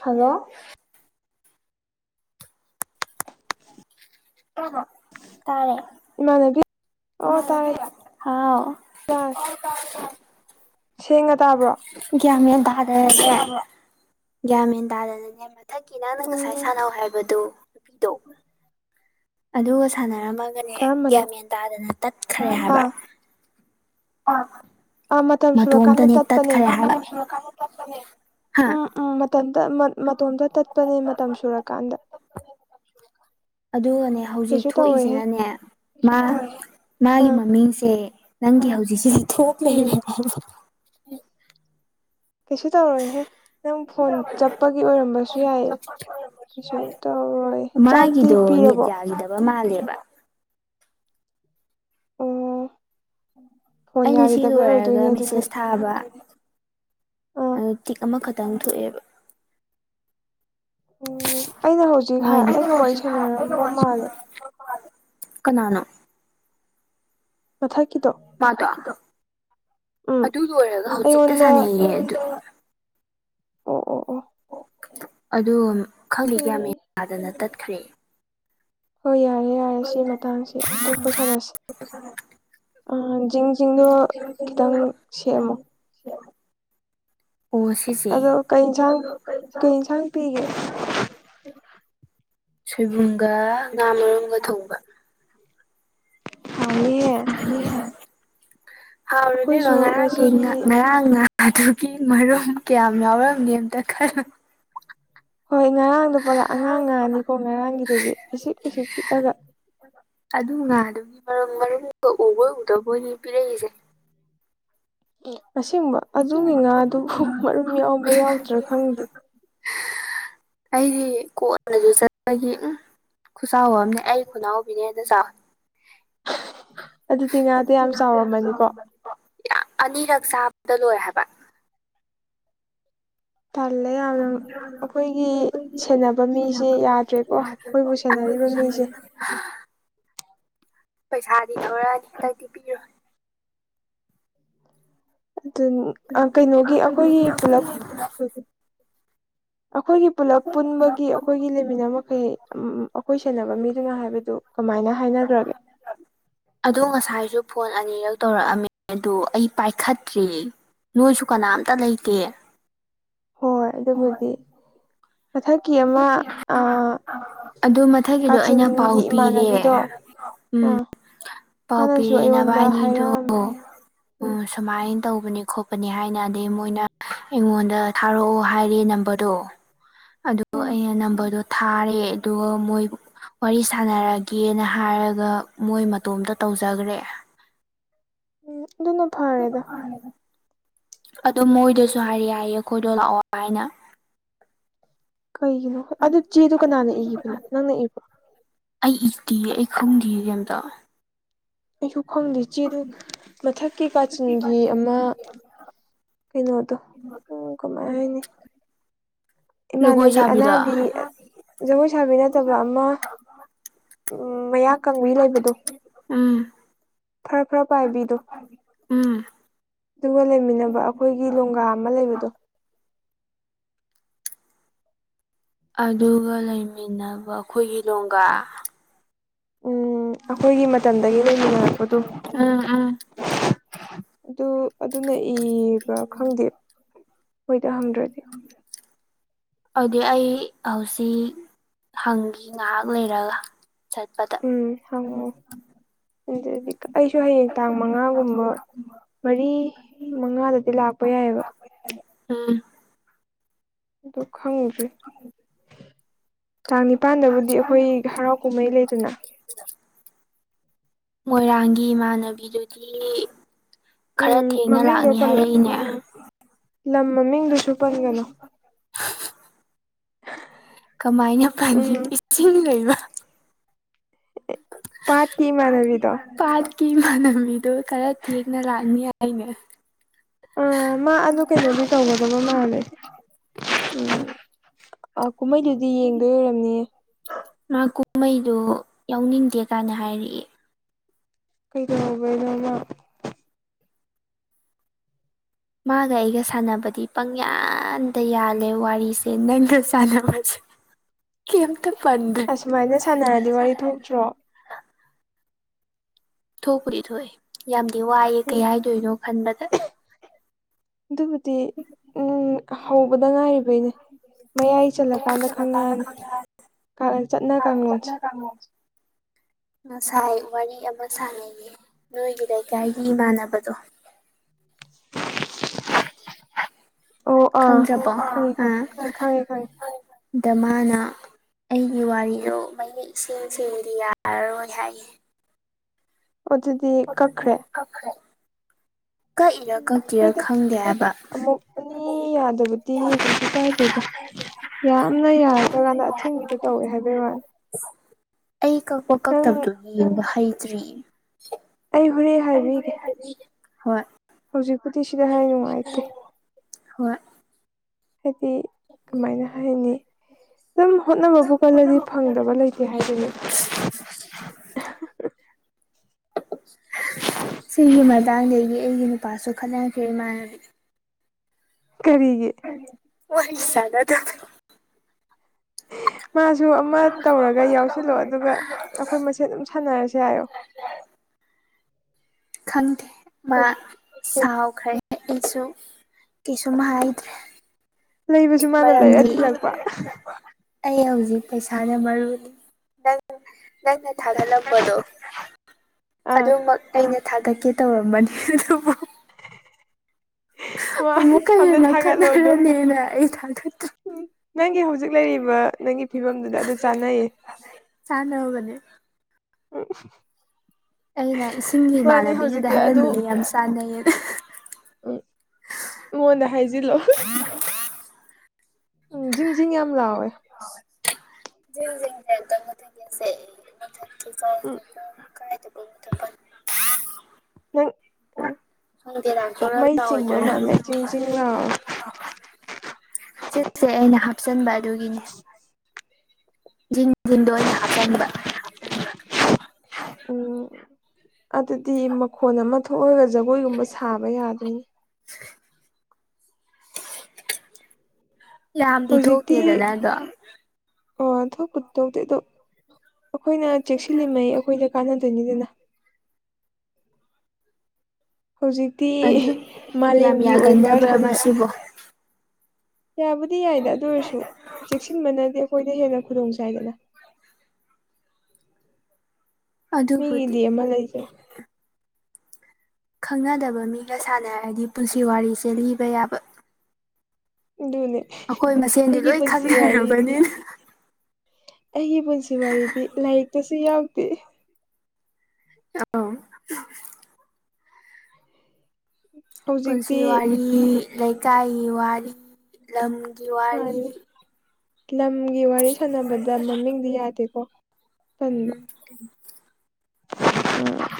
hello ꯑ ꯇꯥꯔꯦ ꯏꯃꯥꯟꯅꯕꯤ ꯑꯣ ꯇꯥꯔꯦ ꯍꯥꯎ ꯇꯥꯔꯦ ꯁꯦꯡꯅ ꯇꯥꯕ꯭ꯔꯣ ꯒ꯭ꯌꯥꯃꯦꯟ ꯇꯥꯗꯔꯅꯦꯦ ꯒ꯭ꯌꯥꯃꯦꯟ ꯇꯥꯗꯅꯦ ꯏꯊꯪꯀꯤ ꯅꯪꯅ ꯉꯁꯥꯏ ꯎꯝ ꯁꯥꯟꯅꯧ ꯍꯥꯏꯕꯗꯨꯣ ꯅꯨꯄꯤꯗꯣ ꯑꯗꯨꯒ ꯁꯥꯟꯅꯔꯝꯃ ꯅꯦ ꯒ꯭ꯌꯥ ꯀꯔꯝꯕꯅꯣ ꯌꯦꯟ ꯇꯥꯗꯅ ꯇꯠꯈ꯭ꯔꯦ ꯍꯥꯏꯕ ꯑꯥ ꯑꯥ ꯃꯇꯝ ꯃ ꯇꯣꯝꯇ ꯁꯨꯔꯀꯥꯟꯗ ꯅꯠ ꯇ ꯇꯠꯄꯅꯦ ꯈꯔꯦ ꯍꯥꯏ ꯍꯥ ꯎꯝ ꯎꯝ ꯃꯇꯝꯇ ꯃꯇꯣꯝꯇ ꯇꯠꯄꯅꯦ ꯃꯇꯝ ꯁꯨꯔꯀꯥꯟꯗ ꯑꯗꯨꯗ ꯑꯅꯦ ꯍꯧꯖꯤꯛ ꯀꯩꯁꯨ ꯇꯧꯔꯣꯏꯍꯦ ꯊꯣꯛꯏꯁꯤꯅꯅꯦ ꯃꯥ ꯃꯥꯒꯤ ꯑꯥ ꯃꯃꯤꯡꯁꯦ ꯅꯪꯒꯤ ꯍꯧꯖꯤꯛꯁꯦ ꯊꯨꯄ ꯃꯍ ꯎꯝ ꯂꯩꯒꯕ ꯀꯩꯁꯨ ꯇꯧꯔꯣꯏꯍꯦ ꯅꯪ ꯐꯣꯟ ꯆꯠꯄꯒꯤ ꯑꯣꯏꯔꯝꯕꯁꯨ ꯌꯥꯏꯌꯦ ꯀꯩꯁꯨꯝ ꯇꯧꯔꯣꯏ ꯆꯥꯛꯇꯤ ꯃꯥꯒꯤꯗꯣ ꯅꯦꯠ ꯄꯤꯔꯕꯣ ꯌꯥꯈꯤꯗꯕ ꯃꯥꯜꯂꯦꯕ ꯑꯣ ꯐꯣꯟ ꯑꯩꯅ ꯁꯤ ꯌꯥꯈꯤꯗꯕꯩ ꯂꯣꯏꯔꯒ ꯑꯣꯏꯗꯣꯏꯅꯦ ꯑꯗꯨꯗꯤ ꯃꯦꯁꯦꯁ ꯊꯥꯕ ꯑꯥ ꯇꯤꯛ ꯑꯃꯈꯛꯇꯪ ꯊꯣꯛꯑꯦꯕ ꯑꯣ ꯑꯩꯅ ꯍꯧꯖꯤꯛ ꯑꯩꯒ ꯋꯥꯔꯤ ꯁꯥꯟꯅꯔꯝꯕ ꯃꯥꯜꯂꯦ [inaudible] ꯀꯅꯥꯅꯣ ꯃꯊꯛꯀꯤꯗꯣ ꯃꯥꯗꯣ ꯑꯗꯣ ꯎꯝ ꯑꯗꯨ ꯂꯣꯏꯔꯒ ꯍꯧꯖꯤꯛꯇ ꯑꯩꯉꯣꯟꯗ ꯁꯥꯟꯅꯩꯌꯦ ꯑꯗꯨꯗ ꯑꯣ ꯑꯣ ꯑꯣ ꯑꯗꯨ ꯈꯪꯗꯦ ꯀꯌꯥ ꯑꯩ ꯌꯥꯗꯅ ꯇꯠꯈ꯭ꯔꯦ ꯍꯣꯏ ꯌꯥꯔꯦ ꯌꯥꯔꯦ ꯁꯤ ꯃꯇꯥꯡꯁꯤ ꯑꯇꯣꯞꯄ ꯁꯥꯟꯅꯁꯤ ꯈꯤꯇꯪ ꯁꯦꯝꯃꯣ ꯑꯣꯁ ꯑꯗꯣ ꯀꯩ ꯏꯟꯁꯥꯡ ꯀꯩ ꯏꯟꯁꯥꯡ ꯄꯤꯒꯦ ꯁꯣꯏꯕꯨꯝꯒ ꯉꯥ ꯃꯔꯨꯝꯒ ꯊꯣꯡꯕ ꯍꯥꯎꯅꯤꯍꯦ ꯍꯥꯎꯔꯅꯦꯣꯏꯕ ꯑꯩꯈꯣꯏꯁꯨ ꯉꯔꯥꯡꯒꯤ ꯉꯁꯤꯗꯤ ꯉꯔꯥꯡ ꯉ ꯑꯗꯨꯒꯤ ꯃꯔꯨꯝ ꯀꯌꯥꯝ ꯌꯥꯎꯔꯝꯒꯦ ꯑꯝꯇ ꯈꯜꯂꯨ ꯍꯣꯏ ꯉꯔꯥꯡꯗꯣ ꯄꯨꯔꯥ ꯑꯉꯥꯡ ꯉꯥꯅꯤꯀꯣ ꯉꯔꯥꯡꯒꯤꯗꯨꯗꯤ ꯐꯤꯁꯤꯛ ꯐꯤꯤꯁ ꯄꯤꯛꯑꯒ ꯑꯗꯨ ꯉꯥꯗꯨꯒꯤ ꯃꯔ ꯃꯔꯨꯝꯗꯨꯒ ꯎꯕ ꯎꯗꯕꯣꯏꯅꯤ ꯄꯤꯔꯛꯏꯁꯦ ꯑꯁꯦꯡꯕ ꯑꯗꯨꯒꯤ ꯉꯥꯗꯨ ꯃꯔꯨꯝ ꯌꯥꯎꯕ ꯌꯥꯎꯗ꯭ꯔꯥ ꯈꯪꯗꯦ ꯑꯩꯗꯤ ꯀꯣꯛꯅꯁꯨ ꯆꯠꯄꯒꯤ ꯎꯝ ꯈꯨꯁꯥꯎꯕ ꯑꯃꯅꯦ ꯑꯩ ꯈꯨꯅꯥꯎꯕꯤꯅꯦꯅ ꯆꯥꯎ ꯑꯗꯨꯗꯤ ꯉꯥꯗꯤ ꯌꯥꯝ ꯆꯥꯎꯔꯝꯃꯅꯤꯀꯣ ꯑꯣ ꯑꯅꯤꯔꯛ ꯆꯥꯕꯗ ꯂꯣꯏꯔꯦ ꯍꯥꯏꯕ ꯇꯜꯂꯦ ꯌꯥꯝꯅ ꯑꯩꯈꯣꯏꯒꯤ ꯁꯦꯟꯅꯕ ꯃꯤꯁꯦ ꯌꯥꯗ꯭ꯔꯦꯀꯣ ꯑꯩꯈꯣꯏꯕꯨ ꯁꯦꯟꯅꯔꯤꯕ ꯃꯤꯁꯦ ꯄꯩꯁꯥꯗꯤ ꯊꯧꯔꯛꯑꯅꯤ ꯍꯈꯤꯇꯛꯇꯤ ꯄꯤꯔꯣꯏ ꯑꯗꯨ ꯀꯩꯅꯣꯒꯤ ꯑꯩꯈꯣꯏꯒꯤ ꯄꯨꯂꯞ ꯑꯩꯈꯣꯏꯒꯤ ꯄꯨꯂꯞ ꯄꯨꯟꯕꯒꯤ ꯑꯩꯈꯣꯏꯒꯤ ꯂꯩꯃꯤꯟꯅ ꯃꯈꯩ ꯑꯩꯈꯣꯏ ꯁꯦꯟꯅꯕ ꯃꯤꯗꯨꯅ ꯍꯥꯏꯕꯗꯨ ꯀꯃꯥꯏꯅ ꯍꯥꯏꯅꯈ꯭ꯔꯒꯦ ꯑꯗꯣ ꯉꯁꯥꯏꯁꯨ ꯐꯣꯟ ꯑꯅꯤꯔꯛ ꯇꯧꯔꯛꯑꯝꯃꯦ ꯑꯗꯣ ꯑꯩ ꯄꯥꯏꯈꯠꯇ꯭ꯔꯤ ꯅꯣꯏꯁꯨ ꯀꯅꯥꯝꯇ ꯂꯩꯇꯦ ꯍꯣꯏ ꯍꯣꯏ ꯑꯗꯨꯕꯨꯗꯤ ꯃꯊꯛꯀꯤ ꯑꯃ ꯑ ꯑꯗꯨ ꯃꯊꯛꯀꯤꯗꯣ ꯑꯩꯅ ꯄꯥꯎ ꯄꯤꯔꯦ ꯎꯝ ꯑꯥ ꯄꯥꯎ ꯃꯥꯅꯁꯨ ꯄꯤꯔꯦ ꯑꯩꯉꯣꯟꯗ ꯅꯚꯅꯤꯗꯣ ꯍꯥꯏꯔꯛꯑꯝꯃꯤ ꯎꯝ ꯁꯃꯥꯏꯅ ꯇꯧꯕꯅꯤ ꯈꯣꯠꯄꯅꯤ ꯍꯥꯏꯅ ꯑꯗꯩ ꯃꯣꯏꯅ ꯑꯩꯉꯣꯟꯗ ꯊꯥꯔꯛꯑꯣ ꯍꯥꯏꯔ ꯅꯝꯕꯔꯗꯣ ꯑꯗ ꯎꯝ ꯑꯩꯅ ꯅꯝꯕꯔꯗꯣ ꯊꯥꯔꯦ ꯑꯗꯨꯒ ꯃꯣꯏ ꯋꯥꯔꯤ ꯁꯥꯟꯅꯔꯒꯦꯅ ꯍꯥꯏꯔꯒ ꯃꯣꯏ ꯃꯇꯣꯝꯇ ꯇꯧꯖꯈ꯭ꯔꯦ ꯎꯝ ꯑꯗꯨꯅ ꯐꯔꯦꯗ ꯑꯗꯨ ꯃꯣꯏꯗꯁꯨ ꯍꯥꯏꯔ ꯌꯥꯏꯌꯦ ꯑꯩꯈꯣꯏꯗꯣ ꯂꯥꯛꯑꯣ ꯍꯥꯏꯅ ꯀꯩꯒꯤꯅꯣ ꯍꯣꯏ ꯑꯗꯨ ꯆꯦꯗꯨ ꯀꯅꯥꯅ ꯏꯕꯅꯣ ꯅꯪꯅ ꯏꯕꯣ ꯑꯩ ꯏꯠꯇꯤ ꯑꯩ ꯈꯣꯡꯗꯦ ꯀꯝꯇ ꯑꯩꯁꯨ ꯈꯪꯗꯦ ꯆꯦꯗꯨ ꯃꯊꯛꯀꯤ ꯀꯥꯆꯤꯟꯒꯤ ꯑꯃ ꯀꯩꯅꯣꯗꯣ ꯎꯝ ꯀꯃꯥꯏ ꯍꯥꯏꯅꯤ ꯖꯒꯣꯏ ꯏꯃꯥꯟꯅꯕꯤ ꯁꯥꯕꯤꯗꯣ ꯑꯅꯥꯕꯤ ꯖꯒꯣꯏ ꯁꯥꯕꯤ ꯅꯠꯇꯕ ꯑꯃ ꯎ ꯃꯌꯥ ꯀꯥꯡꯪꯕꯤ ꯂꯩꯕꯗꯣ ꯎꯝ ꯈꯔ ꯈꯔ ꯄꯥꯏꯕꯤꯗꯣ ꯎꯝ ꯑꯗꯨꯒ ꯂꯩꯃꯤꯟꯅꯕ ꯑꯩꯈꯣꯏꯒꯤ ꯂꯣꯡꯒꯥ ꯑꯃ ꯂꯩꯕꯗꯣ ꯑꯗꯨꯒ ꯂꯩꯃꯤꯟꯅꯕ ꯑꯩꯈꯣꯏꯒꯤ ꯂꯣꯡꯒꯥ ꯎꯝ ꯑꯩꯈꯣꯏꯒꯤ ꯃꯇꯝꯗꯒꯤ ꯂꯩꯃꯤꯟꯅꯔꯛꯄꯗꯣ ꯎꯝ ꯎꯝ ꯑꯗꯨ ꯑꯗꯨꯅ ꯏꯕ ꯈꯪꯗꯦ ꯍꯣꯏꯗꯍꯝꯗ꯭ꯔꯗꯤ ꯑꯗꯨꯗꯤ ꯑꯩ ꯍꯧꯖꯤꯛ ꯍꯪꯈꯤ ꯉꯥꯏꯍꯥꯛ ꯂꯩꯔꯒ ꯆꯠꯄ ꯎꯝ ꯍꯪꯉ ꯑꯗꯨꯗꯤ ꯑꯩꯁꯨ ꯍꯌꯦꯡ ꯇꯥꯡ ꯃꯉꯥꯒꯨꯝꯕ ꯃꯔꯤ ꯃꯉꯥꯗꯗꯤ ꯂꯥꯛꯄ ꯌꯥꯏꯑꯕ ꯎꯝ ꯑ ꯈꯪꯗ꯭ꯔꯤ ꯇꯥꯡ ꯅꯤꯄꯥꯟꯗꯕꯨꯗꯤ ꯑꯩꯈꯣꯏ ꯍꯔꯥꯎ ꯀꯨꯝꯍꯩ ꯂꯩꯗꯅ ꯃꯣꯏꯔꯥꯡꯒꯤ ꯏꯃꯥꯟꯅꯕꯤꯗꯨꯗꯤ ꯈꯔ ꯎꯝ ꯊꯦꯡꯅ ꯃꯃꯤꯡꯗꯣ ꯂꯥꯛꯅꯤ ꯄꯜꯂ ꯍꯥꯏꯔꯛꯏꯅꯦ ꯎꯝ ꯂꯝ ꯃꯃꯤꯡꯗꯨꯁꯨ ꯄꯟꯒꯅꯨ ꯀꯃꯥꯏꯅ ꯐꯪꯉ ꯏꯁꯤꯡ ꯂꯩꯕ ꯄꯥꯠꯀꯤ ꯏꯃꯥꯟꯅꯕꯤꯗꯣ ꯄꯥꯠꯀꯤ ꯃꯥꯅꯝꯗꯨ ꯈꯔ ꯊꯦꯡꯅ ꯂꯥꯛꯅꯤ ꯍꯥ [unintelligible] ꯑꯥ ꯃꯥ ꯑꯗꯨ ꯀꯩꯅꯣꯗꯤ ꯇꯧꯒꯗꯕ ꯃꯥꯜꯂꯁꯦ ꯎꯝ ꯑ ꯀꯨꯝꯍꯩꯗꯨꯗꯤ ꯌꯦꯡꯗꯣꯏꯔꯣꯏꯔꯝꯅꯤꯌꯦ ꯃꯥ ꯀꯨꯝꯍꯩꯗꯨ ꯌꯥꯎꯅꯤꯡꯗꯦ ꯀꯥꯏꯅ ꯍꯥꯏꯔꯛꯏ ꯀꯩꯗꯧꯕꯩꯅꫭ ꯃꯥ ꯃꯥꯒ ꯑꯩꯒ ꯁꯥꯟꯅꯕꯗꯤ ꯄꯪꯌꯥꯟꯗ ꯌꯥꯜꯂꯦ ꯋꯥꯔꯤꯁꯦ ꯅꯪꯒ ꯁꯥꯟꯅꯕꯁꯦ ꯀꯝꯇ ꯄꯟꯗꯦ ꯑꯁꯨꯃꯥꯏꯅ ꯁꯥꯟꯅꯔꯗꯤ ꯋꯥꯔꯤ ꯊꯣꯛꯇ꯭ꯔꯣ ꯊꯣꯛꯄꯨꯗꯤ ꯊꯣꯛꯑꯦ ꯌꯥꯝꯗꯤ ꯋꯥꯏꯑꯦ ꯀꯩ ꯎꯝ ꯍꯥꯏꯗꯣꯏꯅꯣ ꯈꯟꯕꯗ ꯑꯗꯨꯕꯨꯗꯤ ꯎꯝ ꯍꯧꯕꯗ ꯉꯥꯏꯔꯤꯕꯩꯅꯦ ꯃꯌꯥꯏ ꯆꯜꯂ ꯀꯥꯟꯗ ꯈꯪꯉꯛꯑꯅꯤ ꯆꯠ ꯑ ꯆꯠꯅ ꯀꯥꯡꯃꯣ ꯉꯁꯥꯏ ꯋꯥꯔꯤ ꯑꯃ ꯁꯥꯟꯅꯩꯏ ꯅꯣꯏꯒꯤ ꯂꯩꯀꯥꯏꯒꯤ ꯏꯃꯥꯟꯅꯕꯗꯣ ꯑꯣ ꯑꯥ ꯈꯪꯗ꯭ꯔꯄ ꯈꯪꯉꯦ ꯈꯪꯉꯦ ꯑ ꯑꯥ ꯈꯪꯉꯦ ꯈꯪꯉꯦ ꯗ ꯃꯥꯅ ꯑꯩꯒꯤ ꯋꯥꯔꯤꯗꯣ ꯃꯒꯤ ꯏꯁꯤꯡꯁꯤꯡꯗꯤ ꯌꯥꯔꯔꯣꯏ ꯍꯥꯏꯌꯦ ꯑꯗꯨꯗꯤ ꯀꯛꯈ꯭ꯔꯦ ꯈ꯭ꯔꯦ ꯀꯛꯏꯔ ꯀꯛꯀꯔꯥ ꯍꯣꯏꯗ ꯈꯪꯗꯦ ꯍꯥꯏꯕ ꯑꯃꯨꯛ ꯑꯅꯤ ꯌꯥꯗ ꯑꯣꯏ ꯀꯩꯁꯨ ꯀꯥꯏꯗꯦꯗ ꯌꯥꯝꯅ ꯌꯥꯔꯗ꯭ꯔꯀꯥꯟꯗ ꯑꯊꯤꯡꯕꯤꯗꯣ ꯇꯧꯋꯦ ꯍꯥꯏꯕꯩꯒꯤ ꯋꯥꯅꯤ ꯑꯩ ꯀꯛꯄ ꯅꯪ ꯀꯛꯇꯕꯗꯨ ꯌꯦꯡꯕ ꯍꯩꯇ꯭ꯔꯤ ꯑꯩ ꯍꯣꯔ ꯍꯥꯏꯕꯤꯒꯦ ꯍꯥꯏꯗꯤ ꯍꯧꯖꯤꯛꯄꯨꯗꯤ ꯁꯤꯗ ꯍꯥꯏ ꯅꯨꯡꯉꯥꯏꯇꯦ ꯍꯣꯏ ꯍꯥꯏꯗꯤ ꯀꯃꯥꯏꯅ ꯍꯥꯏꯅꯤ ꯑꯗꯨꯝ ꯍꯣꯠꯅꯕꯕꯨ ꯀꯜꯂꯗꯤ ꯐꯪꯗ꯭ꯔꯕ ꯂꯩꯇꯦ ꯍꯥꯏꯗꯨꯅꯤ [inaudible] ꯁꯤꯒꯤ ꯃꯇꯥꯡꯗꯒꯤ ꯑꯩꯒꯤ ꯅꯨꯄꯥꯁꯨ ꯈꯠꯅꯈ꯭ꯔꯦ ꯏꯃꯥꯟꯅꯕꯤ ꯀꯔꯤꯒꯤ ꯋꯥꯔꯤ ꯁꯥꯟꯅꯗꯕꯩ ꯃꯥꯁꯨ ꯑꯃ ꯇꯧꯔꯒ ꯌꯥꯎꯁꯤꯜꯂꯣ ꯑꯗꯨꯒ ꯑꯩꯈꯣꯏ ꯃꯁꯦ ꯑꯗꯨꯝ ꯁꯥꯟꯅꯔꯁ ꯍꯥꯏꯌꯣ ꯈꯪꯗꯦ ꯃꯥ ꯍꯦꯛ ꯍꯦꯛ ꯁꯥꯎꯈ꯭ꯔꯦ ꯑꯩꯁꯨ ꯀꯩꯁꯨꯝ ꯍꯥꯏꯗ꯭ꯔꯦ ꯂꯩꯕꯁꯨ ꯃꯥꯅ ꯂꯩꯔꯦ ꯃꯔꯝꯗꯤ ꯊꯤꯜꯂꯛꯄ ꯑꯩ ꯍꯧꯖꯤꯛ ꯄꯩꯁꯥꯅ ꯃꯔꯨꯅꯤ ꯅꯪ ꯅꯪꯅ ꯊꯥꯒꯠꯂꯝꯕꯗꯣ ꯑꯥ ꯑꯗꯨꯃꯛ ꯑꯩꯅ ꯊꯥꯒꯠꯀꯦ ꯇꯧꯔꯝꯃꯅꯤ ꯑꯗꯨꯕꯨ ꯃꯥ ꯑꯨꯛꯀꯩ ꯑꯝꯇ ꯃ ꯊꯥꯒꯠꯂꯣ ꯑꯗꯣ ꯈꯠꯅꯔꯅꯦꯅ ꯑꯩ ꯊꯥꯒꯠꯇ ꯎꯝ ꯅꯪꯒꯤ ꯍꯧꯖꯤꯛ ꯂꯩꯔꯤꯕ ꯅꯪꯒꯤ ꯐꯤꯕꯝꯗꯨꯗ ꯑꯗꯨ ꯆꯥꯟꯅꯩꯌꯦ ꯆꯥꯅ ꯃꯅꯤ ꯎꯝ ꯑꯩꯅ ꯏꯁꯤꯡꯒꯤ ꯃꯥꯅꯦ ꯏꯃꯥꯟꯅꯕꯤꯗꯨꯗ ꯍꯧꯖꯤꯛꯇꯤ ꯑꯗꯨ ꯍꯥꯏꯍꯟꯅꯤꯡꯉ ꯌꯥꯝ ꯆꯥꯟꯅꯩ ꯑꯗ ꯎꯝ ꯃꯉꯣꯟꯗ ꯍꯥꯏꯖꯤꯜꯂꯣ ꯎꯝ ꯖꯤꯡ ꯖꯤꯡ ꯌꯥꯝ ꯂꯥꯎꯋꯦ ꯖ ꯃ ꯊꯁꯦ ꯃ ꯊ ꯎꯝ ꯀꯀ [unintelligible] ꯀꯥꯏꯗ ꯊ ꯅꯪ ꯃꯩ ꯆꯤꯡꯕ [unintelligible] ꯃꯥꯜꯂꯦ ꯖꯤꯡ ꯖꯤꯡ ꯂꯥꯎꯋꯦ [unintelligible] ꯁꯤꯁꯦ ꯑꯩꯅ ꯍꯥꯞꯆꯤꯟꯕ ꯑꯗꯨꯒꯤꯅꯦ ꯖꯤꯟ ꯖꯤꯟꯗꯣ ꯑ ꯑꯣꯏꯅ ꯍꯥꯞꯆꯟꯕ ꯎꯝ ꯑꯗꯨꯗꯤ ꯃꯈꯣꯟ ꯑꯃ ꯊꯣꯛꯑꯒ ꯖꯒꯣꯏꯒꯨꯝꯕ ꯁꯥꯕ ꯌꯥꯗꯣꯏꯅꯦ ꯌꯥꯝꯗꯤ ꯍꯧꯖꯤꯛꯇꯤ ꯊꯣꯛꯇꯦꯗꯅꯗꫭ ꯑꯣ ꯊꯣꯛꯄꯗꯤ ꯊꯣꯛꯇꯦ ꯑꯗꯣ ꯑꯩꯈꯣꯏꯅ ꯆꯦꯛꯁꯤꯜꯂꯤꯉꯩ ꯑꯩꯈꯣꯏꯗ ꯀꯥꯟꯅꯗꯣꯏꯅꯤꯗꯅ ꯍꯧꯖꯤꯛꯇꯤ ꯑꯗꯨ ꯌꯥꯝ ꯃꯥꯂꯦꯝꯒꯤ ꯑꯣꯏꯕ ꯁꯅ ꯌꯥꯒꯟꯗꯕ꯭ꯔꯕ ꯁꯤꯕꯣ ꯌꯥꯕꯨꯗꯤ ꯌꯥꯏꯗ ꯑꯗꯨ ꯑꯣꯏꯔꯁꯨ ꯆꯦꯛꯁꯤꯟꯕꯅꯗꯤ ꯑꯩꯈꯣꯏꯗ ꯍꯦꯟꯅ ꯈꯨꯗꯣꯡ ꯆꯥꯏꯗꯅ ꯑꯗꯨꯕꯨꯗꯤ ꯃꯤꯒꯤꯗꯤꯑ ꯃ ꯂꯩ ꯑꯩ ꯈꯪꯅꯗꯕ ꯃꯤꯒ ꯁꯥꯟꯅ ꯍꯥꯏꯔꯗꯤ ꯄꯨꯟꯁꯤ ꯋꯥꯔꯤꯁꯦ ꯂꯤꯕ ꯌꯥꯕ ꯑꯗꯨꯅꯦ ꯑꯩꯈꯣꯏ ꯃꯁꯦꯟꯗꯤ ꯑꯩꯒꯤ ꯂꯣꯏ ꯄꯨꯟꯁꯤ ꯋꯥꯔꯤꯗꯤ ꯈꯪꯅꯔꯕꯅꯤꯅ ꯑꯩꯒꯤ ꯄꯨꯟꯁꯤ ꯋꯥꯔꯤꯗꯤ ꯂꯥꯏꯔꯤꯛꯇꯁꯨ ꯌꯥꯎꯗꯦ ꯑ ꯍꯧꯖꯤꯛꯇꯤ ꯄꯨꯟꯁꯤ ꯋꯥꯔꯤ ꯂꯩꯀꯥꯏꯒꯤ ꯋꯥꯔꯤ ꯂꯝꯒꯤ ꯋꯥꯔꯤ ꯃꯥꯅꯦ ꯂꯝꯒꯤ ꯋꯥꯔꯤ ꯁꯥꯟꯅꯕꯗ ꯃꯃꯤꯡꯗꯤ ꯌꯥꯗꯦꯀꯣ ꯇꯟꯕ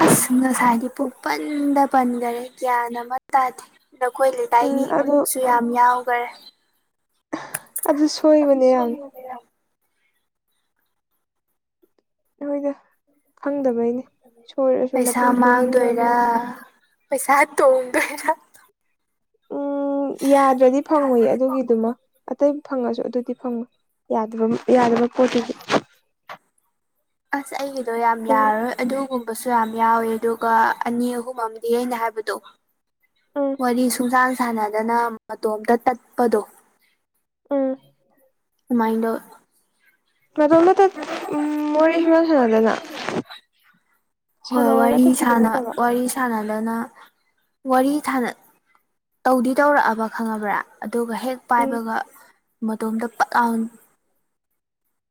ꯑꯁ ꯉꯁꯥꯏꯗꯤ ꯄꯨꯡꯄꯟꯗ ꯄꯟꯈꯔꯦ ꯒ꯭ꯌꯥꯟ ꯑꯃ ꯇꯥꯗꯦ ꯑꯗ ꯑꯩꯈꯣꯏ ꯎꯝ ꯂꯩꯀꯥꯏꯒꯤ ꯑꯗꯨ ꯃꯃꯤꯡꯁꯨ ꯌꯥꯝ ꯌꯥꯎꯈꯔꯦ ꯑꯗꯨ ꯁꯣꯏꯕꯅꯦ ꯌꯥꯝ ꯅꯣꯏꯗ ꯈꯪꯗꯕꯩꯅꯤ ꯁꯣꯏꯔꯁꯨ ꯄꯩꯁꯥ ꯃꯇꯨꯡ ꯃꯥꯡꯗꯣꯏꯔꯥ ꯁꯣꯏꯍꯟꯗ꯭ꯔꯗ꯭ꯔꯣ ꯄꯩꯁꯥ ꯇꫭꯡꯗꯔ ꯎꯝ ꯌꯥꯗ꯭ꯔꯗꯤ ꯐꯪꯉꯣꯏꯏ ꯑꯗꯨꯒꯤꯗꯨꯃ ꯑꯇꯩ ꯐꯪꯉꯁꯨ ꯑꯗꯨꯗꯤ ꯐꯪꯉꯣꯏ ꯌꯥꯗꯕ ꯌꯥꯗꯕ ꯄꯣꯠꯇꯨꯗꯤ ꯑꯁ ꯑꯩꯒꯤꯗꯣ ꯌꯥꯝ ꯑꯗꯨꯒ ꯌꯥꯔꯣꯏ ꯑꯗꯨꯒꯨꯝꯕꯁꯨ ꯌꯥꯝ ꯌꯥꯎꯋꯦ ꯑꯗꯨꯒ ꯑꯅꯤ ꯑꯍꯨꯝ ꯑꯃꯗꯤ ꯑꯩꯅ ꯍꯥꯏꯕꯗꯣ ꯎꯝ ꯋꯥꯔꯤ ꯁꯨꯡꯁꯥꯡ ꯁꯥꯟꯅꯗꯅ ꯃꯇꯣꯝꯇ ꯇꯠꯄꯗꯣ ꯎꯝ ꯃꯥꯏꯟꯗ [unintelligible] ꯎ ꯃꯣꯏ ꯍ ꯍꯣꯏ ꯁꯥꯟꯅꯔꯒ ꯋꯥꯔꯤ ꯇꯠꯊꯤꯕ ꯁꯅ ꯅꯠꯇꯕ ꯋꯥꯔꯤ ꯁꯥꯟꯅꯗꯅ ꯋꯥꯔꯤ ꯁ ꯇꯧꯗꯤ ꯇꯧꯔꯛꯑꯕ ꯈꯪꯉꯕ꯭ꯔꯥ ꯑꯗꯨꯒ ꯍꯦꯛ ꯎꯝ ꯄꯥꯏꯕꯒ ꯃꯇꯣꯝꯇ ꯄꯥꯠ ꯂꯥꯎ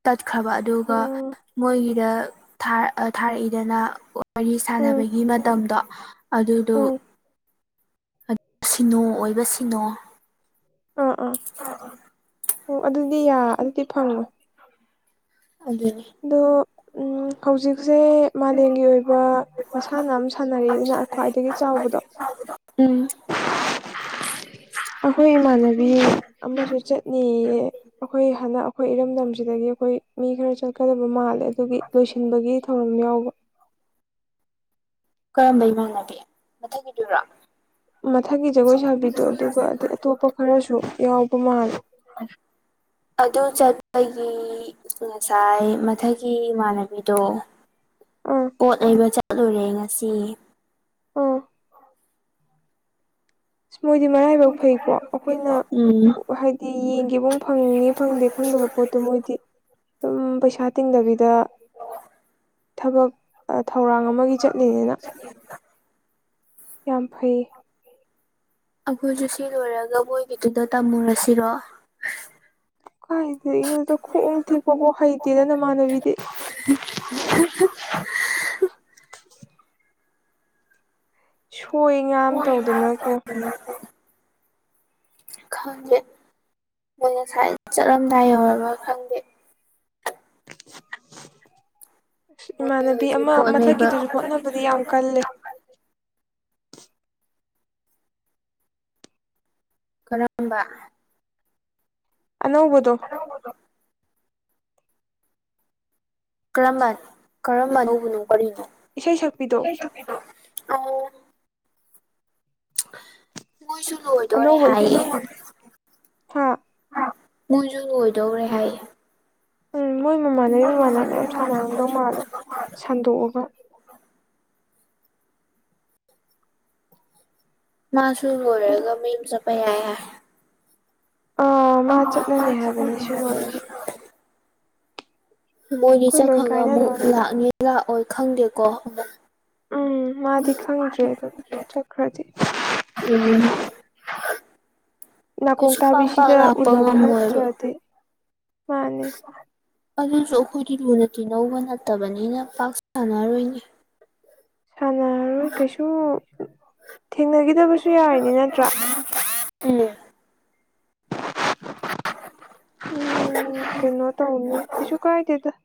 ꯇꯠꯈ꯭ꯔꯕ ꯑꯗꯨꯒ ꯎꯝ ꯃꯣꯏꯒꯤꯗ ꯊꯥꯔꯛꯏꯗꯅ ꯋꯥꯔꯤ ꯎꯝ ꯁꯥꯟꯅꯕꯒꯤ ꯃꯇꯝꯗꯣ ꯑꯗꯨꯗꯣ ꯎꯝ ꯁꯤꯅꯣ ꯑꯣꯏꯕ ꯁꯤꯅꯣ ꯑꯥ ꯑꯥ ꯑꯣ ꯑꯗꯨꯗꯤ ꯌꯥ ꯑꯗꯨꯗꯤ ꯐꯪꯉꯣꯏ ꯑꯗꯨꯅꯤ ꯑꯗꯣ ꯍꯧꯖꯤꯛꯁꯦ ꯃꯥꯂꯦꯝꯒꯤ ꯑꯣꯏꯕ ꯃꯁꯥꯟꯅ ꯑꯃꯝ ꯁꯥꯟꯅꯔꯤꯅ ꯈ꯭ꯋꯥꯏꯗꯒꯤ ꯆꯥꯎꯕꯗꯣ ꯎꯝ ꯑꯩꯈꯣꯏ ꯏꯃꯥꯟꯅꯕꯤ ꯑꯃꯁꯨ ꯆꯠꯅꯤꯌꯦ ꯑꯩꯈꯣꯏ ꯍꯟꯅꯛ ꯑꯩꯈꯣꯏ ꯏꯔꯝꯗꯝꯁꯤꯗꯒꯤ ꯑꯩꯈꯣꯏ ꯃꯤ ꯈꯔ ꯆꯠꯀꯗꯕ ꯃꯥꯜꯂꯦ ꯑꯗꯨꯒꯤ ꯂꯣꯏꯁꯤꯟꯕꯒꯤ ꯊꯧꯔꯝ ꯌꯥꯎꯕ ꯀꯔꯝꯕ ꯏꯃꯥꯟꯅꯕꯤ ꯃꯊꯪꯒꯤꯗꯨꯔꯣ ꯃꯊꯛꯀꯤ ꯖꯒꯣꯏ ꯁꯥꯕꯤꯗꯣ ꯑꯗꯨꯒ ꯑꯗꯩ ꯑꯇꯣꯞꯄ ꯈꯔꯁꯨ ꯌꯥꯎꯕ ꯃꯥꯜꯂꯦ ꯑ ꯑꯗꯨ ꯆꯠꯄꯒꯤ ꯉꯁꯥꯏ ꯃꯊꯛꯒꯤ ꯏꯃꯥꯟꯅꯕꯤꯗꯣ ꯑꯥ ꯄꯣꯠ ꯂꯩꯕ ꯆꯠꯂꯨꯔꯦ ꯉꯁꯤ ꯎꯝ ꯃꯣꯏꯗꯤ ꯃꯔꯥꯏꯕꯛ ꯐꯩꯀꯣ ꯑꯩꯈꯣꯏꯅ ꯎꯝ ꯍꯥꯏ ꯌꯦꯡꯒꯦꯕ ꯐꯪꯉꯦ ꯐꯪꯗꯦ ꯈꯪꯗꯕ ꯄꯣꯠꯇꯣ ꯃꯣꯏꯗꯤ ꯑꯗꯨꯝ ꯄꯩꯁꯥ ꯇꯤꯡꯗꯕꯤꯗ ꯗ ꯊꯕꯛ ꯊꯧꯔꯥꯡ ꯑꯃꯒꯤ ꯆꯠꯂꯤꯅꯤꯅ ꯌꯥꯝ ꯐꯩ ꯑꯩꯈꯣꯏꯁꯨ ꯁꯤ ꯂꯣꯏꯔꯒ ꯃꯣꯏꯒꯤꯗꯨꯗ ꯇꯝꯃꯨꯔꯁꯤꯔꯣ ꯀꯥꯏꯗꯩ ꯅꫭꯗ ꯈꯣꯡ ꯊꯦꯛꯄꯐꯥꯎ ꯍꯩꯇꯦꯗ ꯅꯃꯥꯟꯅꯕꯤꯗꯤ [unintelligible] ꯁꯣꯏ ꯉꯥꯝ ꯇꯧꯗꯅꯀꯣ [unintelligible] ꯈꯪꯗꯦ ꯃꯣꯏ ꯉꯁꯥꯏ ꯆꯠꯂꯝꯗꯥꯏ ꯌꯧꯔꯒ ꯈꯪꯗꯦ ꯑꯁ ꯃꯣꯏ ꯏꯃꯥꯟꯅꯕꯤ ꯍꯧꯖꯤꯛ ꯑꯃ ꯄꯣꯠ ꯂꯩꯕ ꯃꯊꯛꯀꯤꯗꯨꯁꯨ ꯍꯣꯠꯅꯕꯗꯤ ꯌꯥꯝ ꯀꯜꯂꯦ ꯀꯔꯝꯕ ꯑꯅꯧꯕꯗꯣ ꯀꯔꯝꯕ ꯀꯔꯝꯕ ꯑꯅꯧꯕꯨꯅꯣ ꯀꯔꯤꯅꯣ ꯏꯁꯩ ꯁꯛꯄꯤꯗꯣ [unintelligible] ꯃꯣꯏꯁꯨ ꯂꯣꯏꯗꯣꯔꯦ ꯑꯅꯧꯕ ꯏꯁꯩ ꯍꯥꯏꯌꯦ ꯁꯛꯄꯤꯗꯣ ꯍꯥ ꯃꯣꯏꯁꯨ ꯂꯣꯏꯗꯧꯔꯦ ꯍꯥꯏꯌꯦ ꯎꯝ ꯃꯣꯏ ꯃꯃꯥꯟꯅꯕꯤ ꯃꯃꯥꯟꯅꯕ ꯃꯌꯥꯝ ꯁꯥꯟꯅꯔꯝꯗꯧ ꯃꯥꯜꯂꯦ ꯁꯟꯗꯣꯛꯑꯒ ꯃꯥꯁꯨ ꯑꯗꯣ ꯂꯣꯏꯔꯒ ꯃꯌꯨꯝ ꯆꯠꯄ ꯌꯥꯏ ꯍꯥꯏ ꯑ ꯃꯥ ꯆꯠꯂꯅꯤ ꯍꯥꯏꯕꯅꯦ ꯁꯤ ꯂꯣꯏꯔꯒ ꯃꯣꯏꯗꯤ ꯑꯩꯈꯣꯏ ꯂꯣꯏ ꯆꯠꯈ꯭ꯔꯒ ꯑꯃꯨꯛ ꯀꯥꯏꯅꯗꯣꯔꯦ ꯂꯥꯛꯅꯤ ꯂꯥꯛꯑꯣꯏ ꯈꯪꯗꯦꯀꯣ ꯎꯝ ꯃꯥꯗꯤ ꯈꯪꯗ꯭ꯔꯦ ꯑꯗꯨꯝ ꯆꯠꯈ꯭ꯔꯗꯤ ꯎꯝ ꯅꯥꯀꯣꯡ ꯀꯩꯁꯨ ꯄꯥꯛ ꯄꯥꯛ ꯊꯥꯕꯤꯁꯤꯗ ꯂꯥꯛꯄ ꯎꯅꯕ ꯉꯝꯃꯣꯏꯕ ꯅꯠꯇ꯭ꯔꯗꯤ ꯃꯥꯅꯦ ꯑꯗꯨꯁꯨ ꯑꯩꯈꯣꯏꯗꯤ ꯂꯨꯅ ꯇꯤꯟꯅꯧꯕ ꯅꯠꯇꯕꯅꯤꯅ ꯄꯥꯛ ꯁꯥꯟꯅꯔꯣꯏꯅꯤ ꯁꯥꯟꯅꯔꯔꯣꯏ ꯀꯩꯁꯨ ꯊꯦꯡꯅꯈꯤꯗꯕꯁꯨ ꯌꯥꯔꯤꯅꯤ ꯅꯠꯇ꯭ꯔꯥ ꯎꯝ ꯎꯝ ꯀꯩꯅꯣ ꯇꯧ ꯀꯩꯁꯨ ꯀꯥꯏꯗꯦꯗ